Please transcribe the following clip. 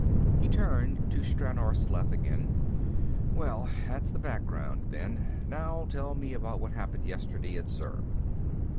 He turned to Stranor Sleth again. "Well, that's the background, then. Now tell me about what happened yesterday at Zurb."